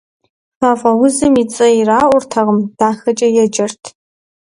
Фафӏэ узым и цӏэ ираӏуэртэкъым, «дахэкӏэ» еджэрт.